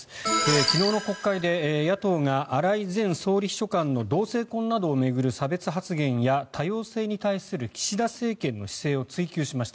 昨日の国会で野党が荒井前総理秘書官の同性婚などを巡る差別発言や多様性に対する岸田政権の姿勢を追及しました。